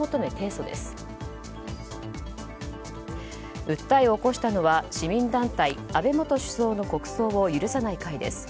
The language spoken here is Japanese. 訴えを起こしたのは市民団体・安倍元首相の国葬を許さない会です。